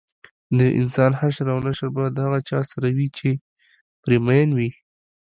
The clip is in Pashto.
دانسان حشر او نشر به د هغه چا سره وي چې پرې مین وي